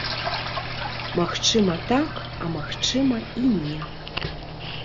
Магчыма так, а магчыма і не.